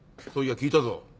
そういや聞いたぞ。